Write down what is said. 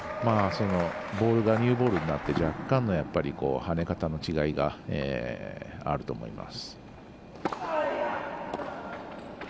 ボールがニューボールになって若干の、跳ね方の違いがあると思います。